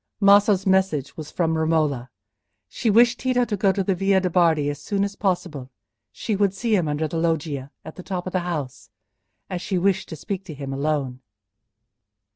Maso's message was from Romola. She wished Tito to go to the Via de' Bardi as soon as possible. She would see him under the loggia, at the top of the house, as she wished to speak to him alone.